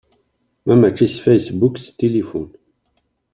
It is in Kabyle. Ma mačči s fasebbuk s tilifun.